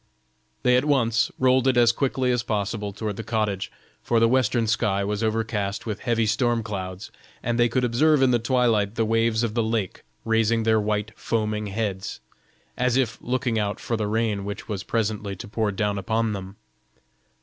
They at once rolled it as quickly as possible toward the cottage, for the western sky was overcast with heavy storm clouds, and they could observe in the twilight the waves of the lake raising their white, foaming heads, as if looking out for the rain which was presently to pour down upon them.